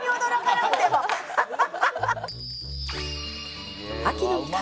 ハハハハッ！